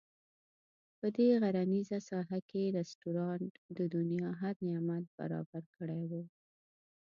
په دې غرنیزه ساحه کې رسټورانټ د دنیا هر نعمت برابر کړی وو.